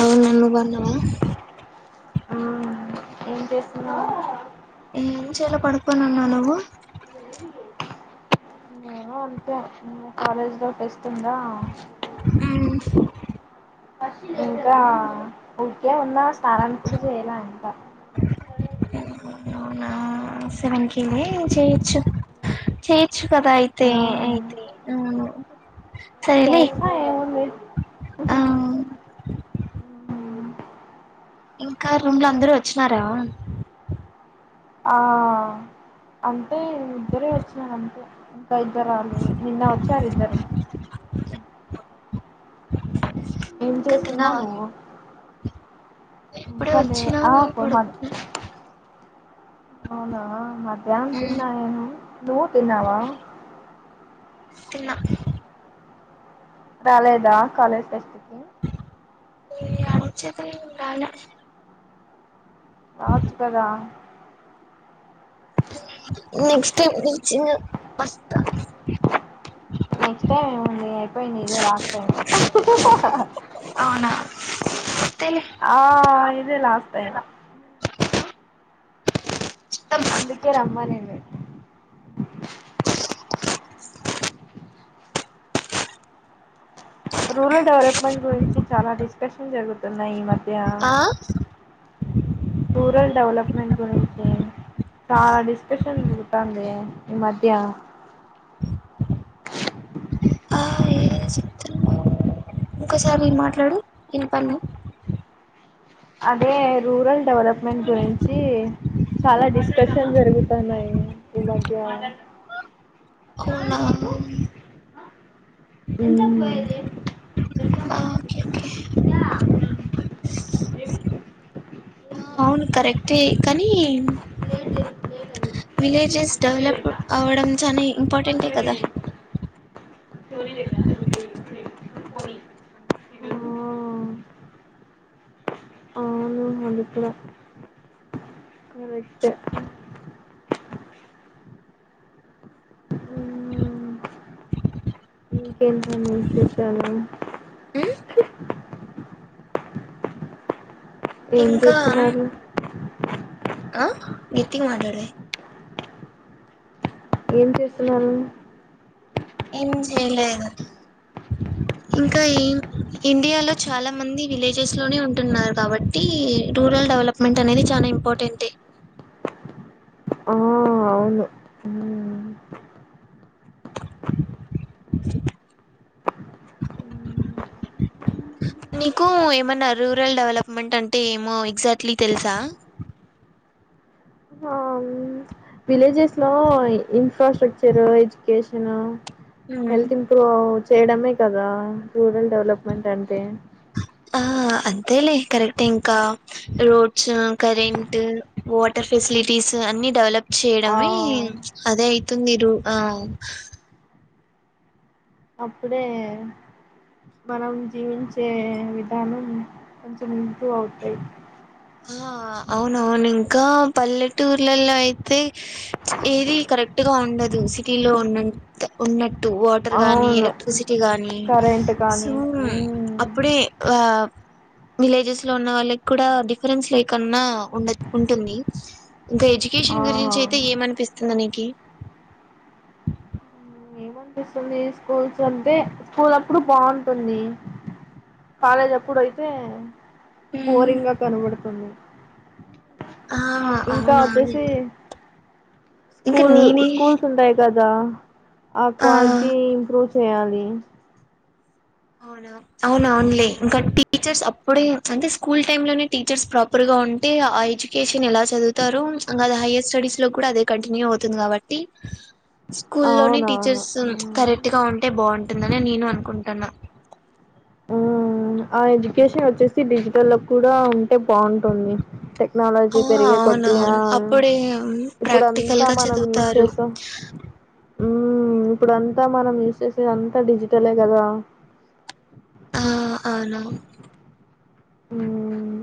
అవు నన్ను బన్నావా అ ఏం చేస్తున్నావ్ ఏం చేయల పడుకోనున్నా నువ్వు నేను అంతే ను్ కాలేజ్ లో ఒకటి వస్తుందా మ్మ్ ఇంకా ఊకే ఉన్ ట్లా. స్నానం కూడా చేయలే ఇంకా అవునా సెవెన్ కి ఇన్నే చేయచ్చు చేయ్ చ్చు కదా అయితే ఆ అయితే ఆవును చేస్తా ఏముంది ఆ ఇంకా రూమ్ లో అందరు వచ్చినారా ఆ అంటే ఇద్దరే వచ్చినమంతే ఇంకా ఇద్దరు రాలేదు నిన్న వచ్చారు ఇద్దరు ఏం ఇంకా చేస్తున్నావ్ తిన్నావా నువ్వు ఇప్పుడే ఇంకా లేదు వచ్చినా ఆ పో మ పడుకున్నా అవునా మర్ ఎ్యాం ఉమ్ తిన్నాయే నువ్వు తిన్నావా తిన్నా రాలేదా కాలేజ్ ఫెస్ట్ కి ఈ అడుచది ఉండాల రాచ్ కదా నెక్స్ట్ టైమ్ నిజంగా మస్త నెక్స్ట్ టైం ఏముంది అయిపోయింది ఇదే లాస్ట్ టైమ్ అవునా వస్తేలే ఆ ఇదే లాస్ట్ టైమ్ అందుకే రమ్మనేేను రూరల్ డెవలప్మెంట్ గురించి చాలా డిస్కషన్ జరుగుతున్నాయి ఈ మధ్య న ఆ రూరల్ డెవలప్ మెంట్ గురించి చాలా డిస్కషన్ జరుగుతందే ఈ మధ్య ఆ ఏ చిత్ర ఒకసారి మాట్లాడు ఇన్ పని అదే రూరల్ డెవలప్మెంట్ గురించి చాలా డిస్కషన్ జరుగుతున్నాయి ఈ మధ్య చా అవునా జైవు ఆ, ఓకే ఓకే బ [inaudible] అవును కరెక్టే కానీ విలేజెస్ డెవలప్ అవ్వడం చాలా ఇంపార్టెంట్ ఏ కదా చోరీ లేక [inaudible] ఆ అవును అది కూడా కరెక్టే మ్ ఇంకేంటండి విశేషాలు ఉమ్, ఏం ఇంకా చేస్తున్నారు ఆ గెట్టిగా మాట్లాడే ఏం చేస్తున్నారు ఏం చేయలేదు ఇంకా ఇండియాలో చాలా మంది విలేజెస్ లోనే ఉంటున్నారు కాబట్టి రూరల్ డెవలప్మెంట్ అనేది చాలా ఇంపార్టెంటే ఆ అవును హుమ్ నీకు ఏమన్నా రూరల్ డెవలప్మెంట్ అంటే ఏమో ఎక్సాక్ట్లి తెలుసా విలేజెస్ లో ఇన్ఫ్రాస్ట్రక్చర్ కోసిన ఉమ్. హెల్త్ ఇంప్రూవ్ అవ్ చేయడమే కదా రూరల్ డెవలప్మెంట్ అంటే తేలే కరెక్ట్ ఇంకా రోడ్స్ కరెంట్ వాటర్ ఫెసిలిటీస్ అన్ని డెవలప్ ఆ, చెయ్యడమే అదే అయితుంది రూ హ అప్పుడే మనం జీవించే విధానం కొంచెం ఇంప్రూవ్ అవుతాయి ఆ అవునవును ఇంకా పల్లెటూర్లలో అయితే ఏది కరెక్ట్గా ఉండదు సిటీలో ఉన్నంత ఉన్న ట్టు వాటర్ కానీ అవును ఎలక్ట్రిసిటీ గానీ కరెంట్ సో కానీ హ్మ్. అప్పుడే ఆ విలేజెస్ లో ఉన్న వాళ్ళకి కూడా డీఫ్ ఫ్రెన్స్ లేకుండా ఉండ ఉంటుంది ఇంకా ఆ! ఎడ్యుకేషన్ గురించయితే ఏమనిపిస్తుంది నీకి ఏమనిపిస్తుంది స్కూల్స్ అంటే స్కూల్ అప్పుడు బాగుంటుంది కాలేజ్ అప్పుడు అయితే ఉమ్ బోరింగ్ గా కనబడుతుంది ఆ ఇంకా అవునవును వచ్చేసి ఇంకా స్కూల్ నేనే స్కూల్స్ ఉంటాయి క గా ఆ ఆక్వాన్ టి ఇంప్రూవ్ చేయాలి అవునా అవునవునులే ఇంక టీచర్స్ అప్పుడే అంటే స్కూల్ టైమ్ లోనే టీచర్స్ ప్రాపర్ గా ఉంటే ఆ ఎడ్యుకేషన్ ఎలా చదువుతారు అంగ అది హైయర్ స్టడీస్ లో కూడా అదే కంటిన్యూ అవుతుంది కాబట్టి స్కూలోని అవునవును. టీచర్స్ హ్మ్. కరెక్ట్ గా ఉంటే బావుంట్ ఉందనే నేను అనుకుంటన్నా హ్మ్. ఆ ఎడ్యుకేషన్ వచ్చేసి డిజిటల్ కి కూడా టే బావుంటుంది టెక్నాలజీ ఆ పెరిగే కొద్ది అవునవును అప్పుడే ఇప్పుడు ప్రాక్టికల్ అంతా గా మనం యూజ్ చదువుతారు చేస్తాం హ్మ్మ్ ఇప్పుడంతా మనం యూస్ చేసేదంతా డిజిటలే కదా ఆ అవును హ్మ్మ్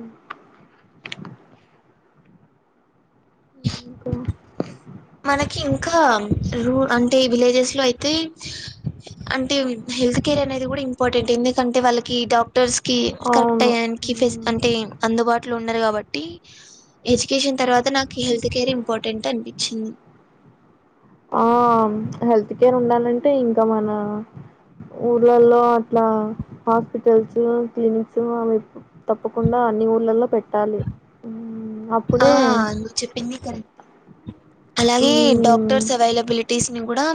ఇంకా మనకి ఇంకా రూ అంటే విలేజెస్ లో అయితే అంటే హెల్త్ కేర్ అనేది కూడా ఇంపార్టెంట్ ఎందుకంటే వాళ్ళకి డా క్టర్స్ కి కరెక్ట్ అవును టయ్యానికి ఫెస్ ఉమ్ అంటే అందుబాటు ఇంట్లో ఉండరు కాబట్టి ఎడ్యుకేషన్ తర్వాత నాకు హెల్త్ కేర్ ఇంపార్టెంట్ అనిపించింది ఆ హెల్త్ కేర్ ఉండాలంటే ఇంకా మన ఊర్లలో అట్లా హాస్పిటల్స్ క్లినిక్స్ అవి తప్పకుండా అన్ని ఊర్లలో పెట్ టాళి ఆ నువ్వు చెప్పింది కరెక్ట్ అలాగే ఉమ్ డాక్టర్స్ ఎవైలబులిటి గుడా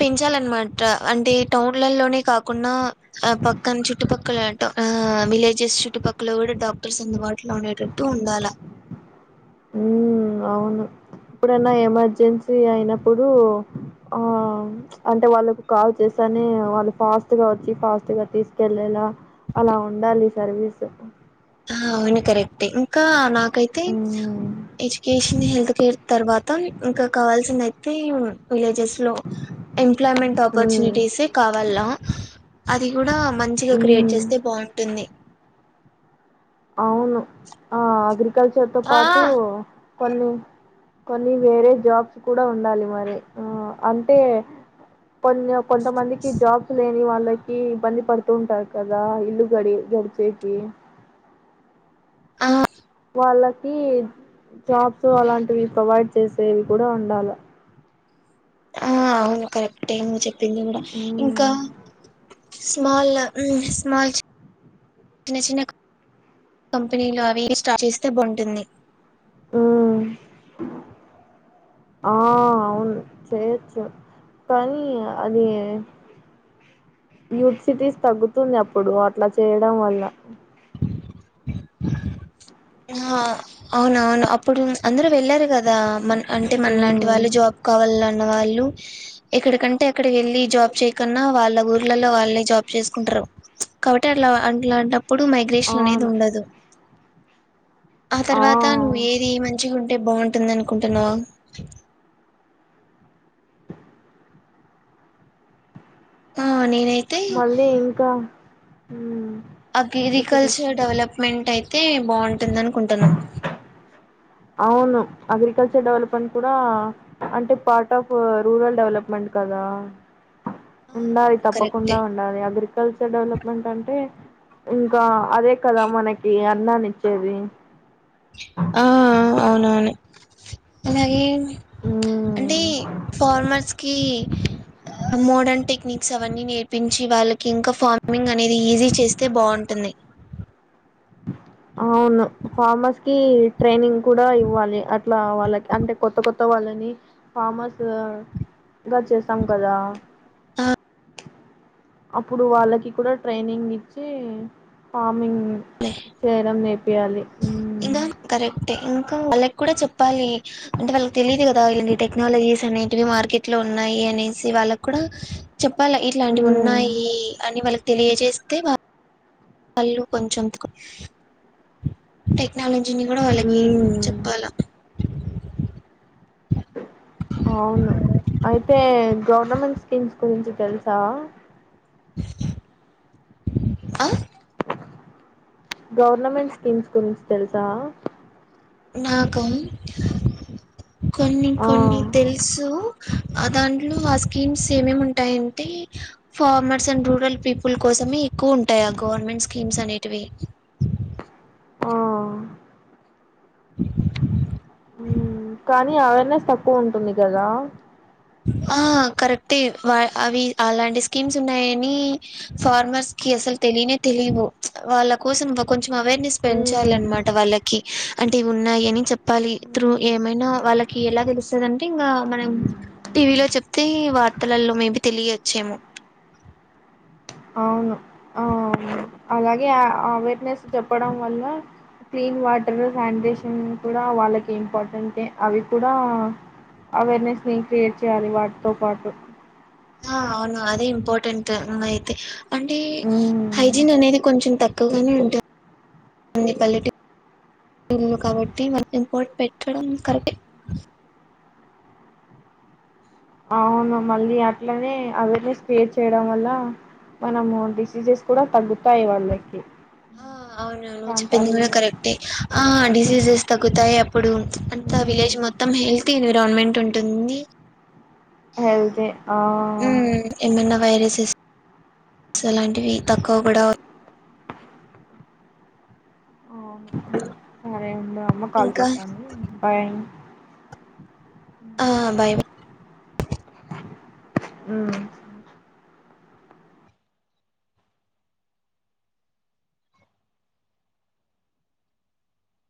పెంచాలన్నమాట అంటే టౌన్లలోనే కాకుండా పక్కన చుట్టుపక్కల విలేజెస్ చుట్టుపక్కల కూడా డాక్టర్స్ అందుబాటులో ఉండేటట్టు ఉండాలా ఉ అవును ఇప్పుడన్నా ఎమర్జెన్సీ అయినప్పుడు ఆ అంటే వాళ్ళకు కాల్ చేస్తానే వాళ్ళు ఫాస్ట్ గా వచ్చి ఫాస్ట్ గా తీసుకెళ్ళేలా అలా ఉండాలి సర్వీస్ హా అవును కరెక్టే ఇంకా నాకు కయితే హ్మ్. ఎజ్యుకేషన్ హే కేర్ తర్వాత ఇంకా కావాల్సిందయితే విలేజెస్ లో ఎంప్లాయ్మెంట్ హ్మ్. ఆపర్చునిటీసే కావల్నా అది గుడా మంచిగా క్రియేట్ హ్మ్. చేస్తే బావుంటుంది అవును ఆ అద్రి కల్చర్ తో ఆ పాటు కొన్ని కొన్ని వేరె జాబ్స్ కుడా ఉండాలి మరి ఆ అంటే కొన్ని కొంతమందికి జాబ్స్ లే వాళ్ళకి ఇబ్బంది పడుతూ ఉంటారు కదా ఇల్లు గడి గడిచేకి ఆయ్ వాళ్ళకి జాబ్స్ అలాంటివి ప్రొవైడ్ చేసేవి కూడా ఉండాలె ఆ అవును కరెక్టే మీర్ చేప్ పిందిగూడ ఇంకా మ్మ్ స్మాల్ల హ్మ్మ్ స్మాల్ చిప్ చిన్న చిన్న కంపెనీల వేరే స్టాఫ్ వేస్తే బావుంటుంది ఉమ్ ఆ అవును చేయొచ్చు కానీ అది యూత్ సిటీస్ తగ్గుతుంది అప్పుడు అట్లా చేయడం వల్ల హా అవునవును అప్పుడు అందరూ వెళ్లారు గదా మన అంటె మనలాంటి మ్మ్ వాళ్ళు జాబ్ కావాల వాళ్ళు ఎక్కడికంటే అక్కడ వెళ్ళి జాబ్ చేయకన్నా వాళ్ళ ఊర్లలో వాళ్ళే జాబ్ చేసుకుంటరు కాబట్టి అట్లా అట్లాంటప్పు ప్పుడు మైగ్రేషన్ అనేది అవును ఉండదు ఆ తర్వాత నువ్వు ఏది మంచిగా ఉమ్ అంటే బాగుంటుంది అనుకుంటున్నావా ఆ నేనై మళ్ళీ ఇంకా ఊమ్ అగ్రికల్చర్ డవలప్మెంటై తే బావుమ్ టుందనుకుంటున్నమ్ అవును అగ్రికల్చర్ డెవలప్మెంట్ కూడా అంటే పార్ట్ ఆఫ్ రూరల్ డెవలప్మెంట్ కదా ఆ ఉండాలి అవును కరెక్టే తప్పకుండా ఉండాలి అగ్రికల్చర్ డెవలప్మెంట్ అంటే ఇంకా అదే కదా మనకి అ న్నాన్నిచ్చేది ఆ అవునవును అలాగే అంటే ఉమ్ ఫార్మర్స్ కి మోడన్ టెక్ టెక్నిక్స్ అవన్నీ నేర్పించి వాళ్ళకి ఇంకా ఫార్మింగ్ అనేది ఈజీ చేస్తే బాగుంటుంది అవును ఫార్మర్స్ కి ట్రైనింగ్ కూడా ఇవ్వాలి అట్లా వాళ్ళకి అంటే కొత్త కొత్ త్తం వాళ్ళని ఫార్మర్స్ గా చేస్తాం కదా ఆ అప్పుడు వాళ్ళకి కూడా ట్రైనింగ్ ఇచ్చి పామ్ మింగ్ [unintelligible] ఎయ్యాలి ఊమ్ క్టే ఇంకా వాళ్ళకి కూడా చెప్పాలి అంటే వాళ్ళకి తెలియదు కదా ఇలాంటి టెక్నాలజీస్ అని ఇవి మార్కెట్ లో ఉన్నాయి అనేసి వాళ్ళక్కూడా చెప్పాలా ఉమ్ ఇట్లాంటివున్నాయి అని వాళ్ళ తెలియజేస్తే బా వాళ్ళు కొంచెం [unintelligible] టెక్నాలజీ దీన్ని కూడా వాళ్ళకి ఉమ్ చెప్పాలా అవును అయితే గవర్నమెంట్ స్కీమ్స్ గురించి తెలుసా అ గవర్నమెంట్ స్కీమ్స్ గురించి తెలుసా నాకా కొన్ని ఆ కొన్ని తెలుసు ఆ దాంట్లో ఆ స్కీమ్స్ ఏమేముంటాయంటే ఫార్మర్స్ అండ్ రూరల్ పీపుల్ కోసమే ఎక్కువుంటాయి ఆ గవర్నమెంట్ స్కీమ్స్ అనేటివి ఆ [inaudible] మ్మ్ కానీ అవేర్నెస్ తక్కువుంటుంది కదా ఆ కరెక్టే అవి అలాంటి స్కీమ్స్ ఉన్నాయని ఫార్మర్స్ కి అసలు తెలియనే తెలీవు వాళ్ళ కోసం కొంచెం అవేర్నెస్ మ్మ్ పెంచాలనమట వాళ్ళకి అంటే ఇవున్నాయని చెప్పాలి ఇప్పుడు ఏమైనా వాళ్ళకి ఎలా తెలుస్తాదంటే ఇంగ మనం టీవీలో చెప్తే వార్తలలో మేబి తెలియచ్చేమో అవును ఆ అలాగే అవేర్నెస్ చెప్పడం వల్ల క్లీన్ వాటర్ శానిటేషన్ కూడా వాళ్ళకి ఇంపార్టెంటే అవి కూడా అవేర్నెస్ని క్రియేట్ చెయ్యాలి వాటితో పాటు ఆ అవును అదే ఇంపార్టెంట్ అయితే అంటే హై ఉమ్, జిన్ అనేది కొంచెం తక్కువగానే ఉంటుంది అ కాలిటీ కాబట్టి ఇంపోట్ పెట్టడం కరెక్ట్ అవును మళ్ళీ అట్లనే అవేర్నెస్ క్రియేట్ చేయడం వల్ల మనము డిసీజెస్ కూడా తగ్గుతాయి వాళ్ళకి ఆ అవునవును నువు చెప్పింది కూడా ప్రాంతాలలో కరెక్టే ఆ డిసీజెస్ తగ్గుతాయి అప్ ప్పుడు అంత హ్మ్. విలేజ్ మొత్ మొత్తం హెల్తీ ఎన్విరాన్మెంట్ ఉంటుంది హెల్దిీ ఆ జెస్ అలాంటివి తక్కువ కూడా అవును సరే ఉండు అమ్మా కాల్ ఇంకా చేస్తోంది బాయ్ ఆ బాయ్ బా హుం